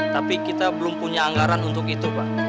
tapi kita belum punya anggaran untuk itu pak